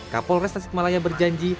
kapolres tasikmalaya berjanji